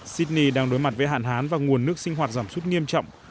sydney đang đối mặt với hạn hán và nguồn nước sinh hoạt giảm sút nghiêm trọng